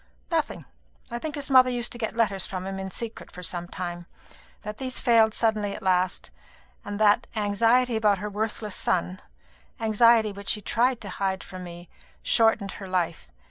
"Nothing. I think his mother used to get letters from him in secret for some time; that these failed suddenly at last; and that anxiety about her worthless son anxiety which she tried to hide from me shortened her life.